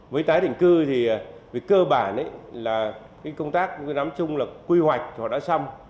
với tái định cư thì về cơ bản là công tác nắm chung là quy hoạch họ đã xong